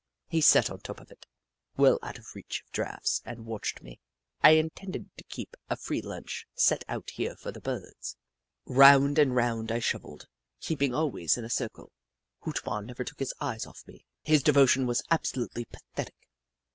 He sat on top of it, well out of reach of draughts, and watched me. I intended to keep a free lunch set out here for the Birds. Round and round I shovelled, keeping Hoot Mon 223 always in a circle. Hoot Mon never took his eyes off me — his devotion was absolutely pa thetic.